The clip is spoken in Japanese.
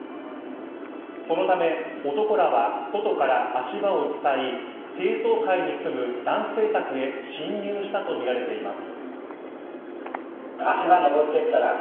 そのため、男らは外から足場を伝い低層階に住む男性宅へ侵入したとみられています。